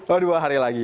oh dua hari lagi